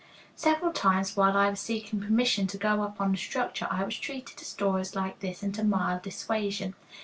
Several times while I was seeking permission to go up on the structure I was treated to stories like this and to mild dissuasion.